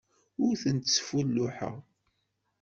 Ur tent-sfulluḥeɣ.